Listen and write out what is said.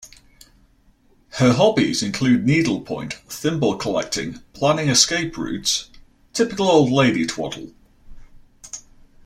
Her hobbies include Needlepoint, thimble collecting, planning escape routes... typical old lady twaddle.